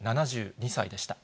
７２歳でした。